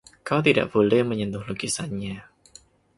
Kau tidak boleh menyentuh lukisannya.